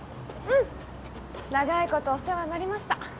うん長いことお世話になりました